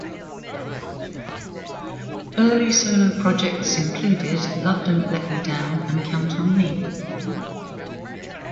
Early solo projects included "Love Don't Let Me Down" and "Count on Me.